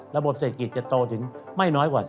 ระบบเศรษฐกิจจะโตถึงไม่น้อยกว่า